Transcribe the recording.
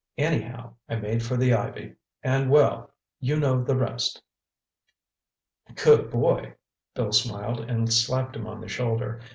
Anyhow, I made for the ivy—and well—you know the rest." "Good boy!" Bill smiled and slapped him on the shoulder.